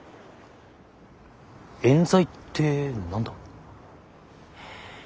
えん罪って何だ？